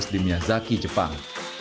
di miyazaki jepang